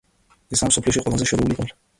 ეს არის მსოფლიოში ყველაზე შორეული კუნძული.